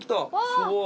すごい。